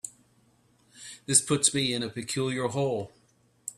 This puts me in a peculiar hole.